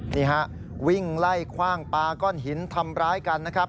นี่ฮะวิ่งไล่คว่างปลาก้อนหินทำร้ายกันนะครับ